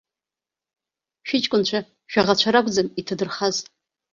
Шәыҷкәынцәа шәаӷацәа ракәӡам иҭадырхаз.